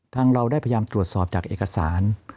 เราได้พยายามตรวจสอบจากเอกสาร